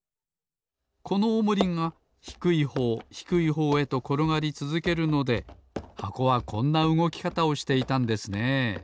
このおもりがひくいほうひくいほうへところがりつづけるので箱はこんなうごきかたをしていたんですねえ。